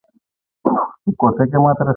جواب هم وکړم نو هغه هم نۀ ګوري -